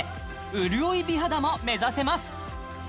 潤い美肌も目指せます